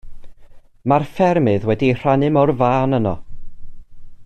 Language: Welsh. Mae'r ffermydd wedi eu rhannu mor fân yno.